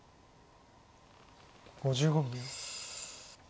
５５秒。